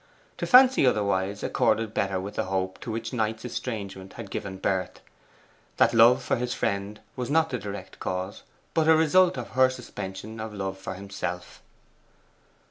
To fancy otherwise accorded better with the hope to which Knight's estrangement had given birth: that love for his friend was not the direct cause, but a result of her suspension of love for himself.